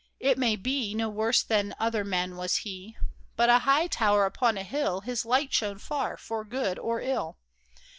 It may be No worse than other men was he ; But — a high tower upon a hill^ — His light shone far for good or ill